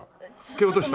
蹴落とした？